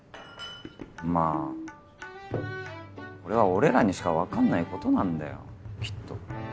まあこれは俺らにしか分かんないことなんだよきっと。